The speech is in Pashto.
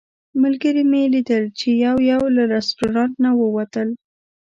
ملګري مې لیدل چې یو یو له رسټورانټ نه ووتل.